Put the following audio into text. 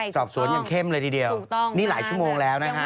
สอบสวนอย่างเข้มเลยทีเดียวนี่หลายชั่วโมงแล้วนะฮะ